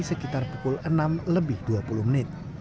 sekitar pukul enam lebih dua puluh menit